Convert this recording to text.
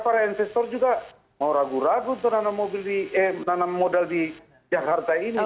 karena investor juga mau ragu ragu untuk menanam modal di jakarta ini